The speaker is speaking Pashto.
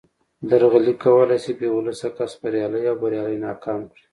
درغلي کولای شي بې ولسه کس بریالی او بریالی ناکام کړي